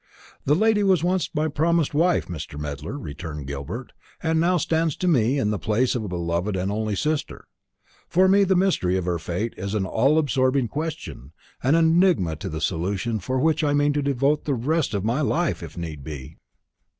"The lady was once my promised wife, Mr. Medler," returned Gilbert, "and now stands to me in the place of a beloved and only sister. For me the mystery of her fate is an all absorbing question, an enigma to the solution of which I mean to devote the rest of my life, if need be."